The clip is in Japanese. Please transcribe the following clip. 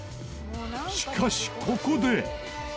しかしここで。